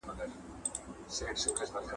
کارخانې څنګه د تولید پلان ارزوي؟